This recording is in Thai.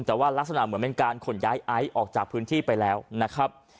แต่ว่ารักษณะเหมือนเป็นการขนย้ายไอซ์ออกจากพื้นที่ไปแล้วนะครับ